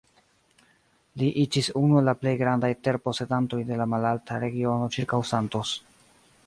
Li iĝis unu el la plej grandaj terposedantoj de la malalta regiono ĉirkaŭ Santos.